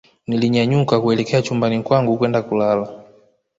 nilinyanyuka kuelekea chumbani kwangu kwenda kulala